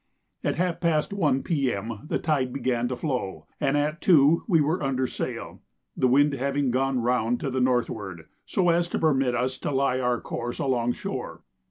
At half past 1 P.M. the tide began to flow, and at two we were under sail, the wind having gone round to the northward, so as to permit us to lie our course along shore.